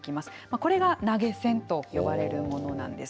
これが投げ銭と呼ばれるものなんです。